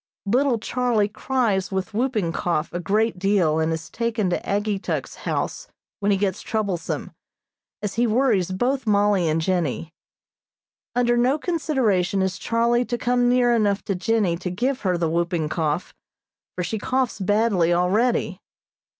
Little Charlie cries with whooping cough a great deal and is taken to Ageetuk's house when he gets troublesome, as he worries both Mollie and Jennie. Under no consideration is Charlie to come near enough to Jennie to give her the whooping cough, for she coughs badly already.